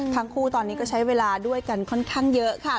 ทั้งคู่ตอนนี้ก็ใช้เวลาด้วยกันค่อนข้างเยอะค่ะ